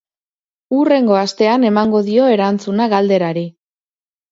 Hurrengo astean emango dio erantzuna galderari.